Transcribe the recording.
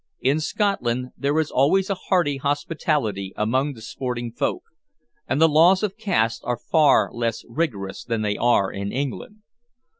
In Scotland there is always a hearty hospitality among the sporting folk, and the laws of caste are far less rigorous than they are in England.